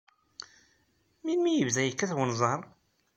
Melmi ay yebda yekkat wenẓar?